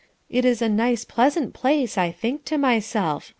It is a nice pleasant place, I think to myself.